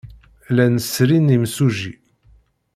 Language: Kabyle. Llan srin imsujji.